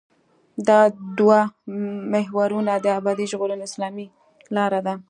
دا دوه محورونه د ابدي ژغورنې اساسي لاره دي.